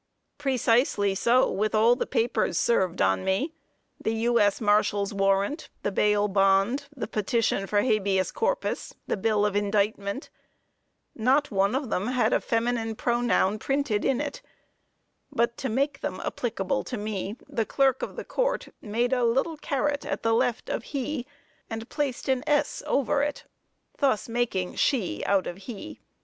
Precisely so with all the papers served on me the U.S. Marshal's warrant, the bail bond, the petition for habeas corpus, the bill of indictment not one of them had a feminine pronoun printed in it; but, to make them applicable to me, the Clerk of the Court made a little carat at the left of "he" and placed an "s" over it, thus making she out of he.